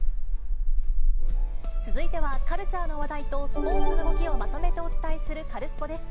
続いては、カルチャーの話題とスポーツを動きをまとめてお伝えするカルスポっ！です。